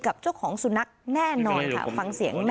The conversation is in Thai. กับเจ้าของสุนัขแน่นอนค่ะฟังเสียงแม่